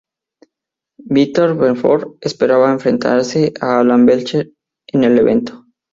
Vitor Belfort esperaba enfrentarse a Alan Belcher en el evento.